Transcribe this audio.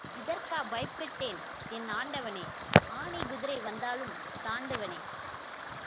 இதற்கா பயப்பட்டேன் என் ஆண்டவனே, ஆனை குதிரை வந்தாலும் தாண்டுவனே.